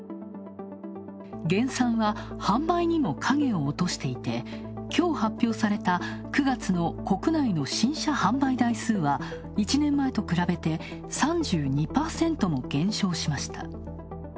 減産は販売にも影を落としていてきょう発表された９月の国内の新車販売台数は１年前と比べて３２％も減少しました。